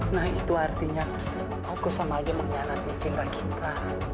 nah itu artinya aku sama aja mengkhianati cinta cinta